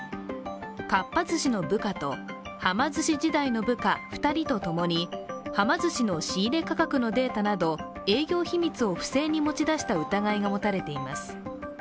かっぱ寿司の部下とはま寿司時代の部下２人とともにはま寿司の仕入れ価格のデータなど営業秘密を不正に持ち出した疑いが持たれています。